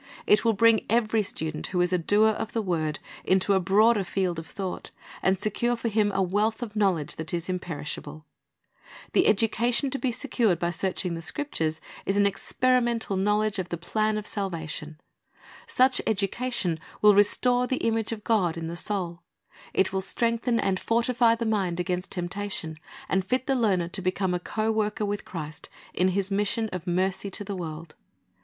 It will bring every student who is a doer of the word into a broader field of thought, and secure for him a wealth of knowledge that is imperishable. The education to be secured by search ing the Scriptures is an experimental knowledge of the ■ime /ell by the wnysidc, and the birds line and devoured thetn,^* "The Sower Went Forth to Sozu'' 43 plan of salvation. Such an education will restore the image of God in the soul. It will strengthen and fortify the mind against temptation, and fit the learner to become a co worker with Christ in His mission of mercy to the world.